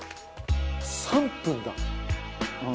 ３分だ」